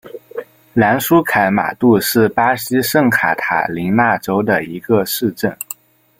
兰舒凯马杜是巴西圣卡塔琳娜州的一个市镇。